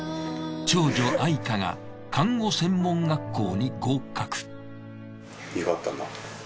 長女愛華が看護専門学校に合格。